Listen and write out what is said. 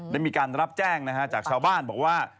ได้มีการรับแจ้งจากชาวบ้านบอกว่า